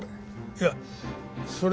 いやそれは。